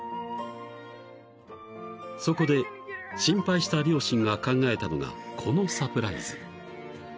［そこで心配した両親が考えたのがこのサプライズ］